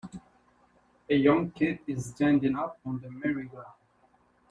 A young kid is standing up on the merrygoround.